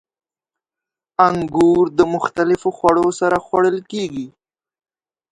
• انګور د مختلفو خوړو سره خوړل کېږي.